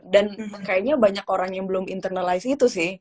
dan kayaknya banyak orang yang belum internalize itu sih